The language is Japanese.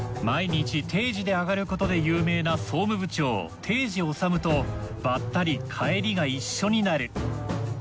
毎日定時で上がることで有名な総務部長堤司治とばったり帰りが一緒になる。